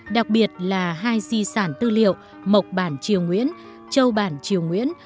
đặc biệt là hai di sản tư liệu mộc bản triều nguyễn châu bản triều nguyễn